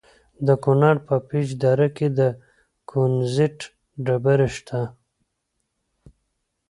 د کونړ په پيچ دره کې د کونزیټ ډبرې شته.